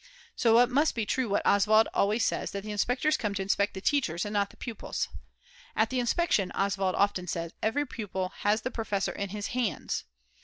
So it must be true what Oswald always says that the inspectors come to inspect the teachers and not the pupils. "At the inspection," Oswald often says, "every pupil has the professor in his hands."